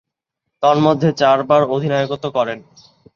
তন্মধ্যে চারবার অধিনায়কত্ব করেন।